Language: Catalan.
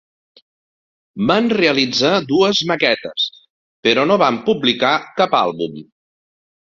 Van realitzar dues maquetes però no van publicar cap àlbum.